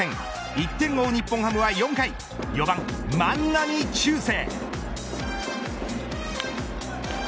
１点を追う日本ハムは、４回４番万波中正。